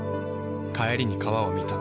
帰りに川を見た。